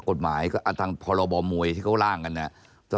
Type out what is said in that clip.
กฎหมายก็อาจารย์พรบมวยที่เขาล่างกันนะฮะ